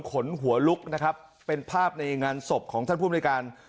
ขนหัวลุกนะครับเป็นภาพในงานศพของท่านภูมิในการ